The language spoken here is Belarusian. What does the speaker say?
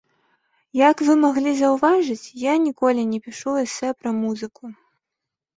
Як вы маглі заўважыць, я ніколі не пішу эсэ пра музыку.